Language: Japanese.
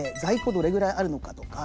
どれぐらいあるのかとか